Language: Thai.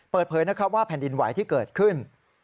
เปิดเผยนะครับว่าแผ่นดินไหวที่เกิดขึ้น